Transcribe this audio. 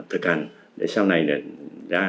thực hành để sau này ra